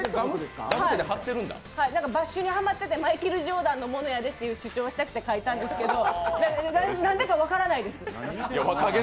バッシュにはまっててマイケル・ジョーダンのものやでって主張したくて書いたんですけど何でだか分からないです、